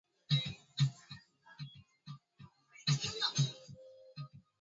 Mnyama kutafuta mahali pa kivuli